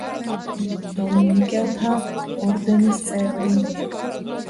დომინიკელთა ორდენის წევრი.